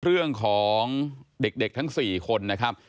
เรื่องของเด็กทั้ง๔คนนะครับ